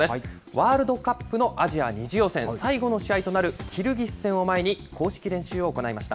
ワールドカップのアジア２次予選、最後の試合となるキルギス戦を前に、公式練習を行いました。